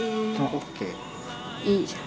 ＯＫ．いいじゃん。